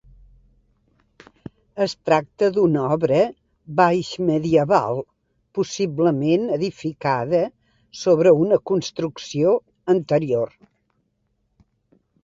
Es tracta d'una obra baixmedieval possiblement edificada sobre una construcció anterior.